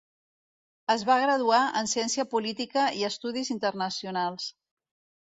Es va graduar en ciència política i estudis internacionals.